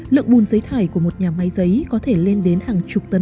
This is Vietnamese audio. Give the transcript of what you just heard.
lượng bùn giấy thải của một nhà máy giấy có thể lên đến hàng chục tấn